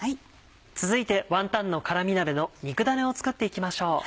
続いてワンタンの辛み鍋の肉ダネを使って行きましょう。